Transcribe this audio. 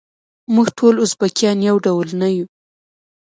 موږ ټول ازبیکان یو ډول نه یوو.